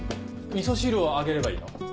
みそ汁をあげればいいの？